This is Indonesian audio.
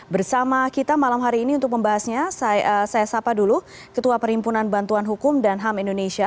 bersama kita malam hari ini untuk membahasnya saya sapa dulu ketua perhimpunan bantuan hukum dan ham indonesia